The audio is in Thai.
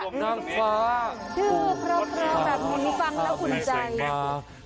ชื่อพรบแบบมีฟังแล้วขุนใจ